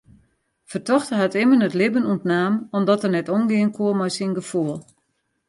Fertochte hat immen it libben ûntnaam omdat er net omgean koe mei syn gefoel.